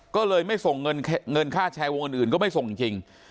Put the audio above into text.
ก็เลยไม่ส่งเงินค่าแชร์วงอื่นก็ไม่ส่งจริง